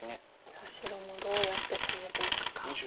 さあ白もどうやって攻めていくか。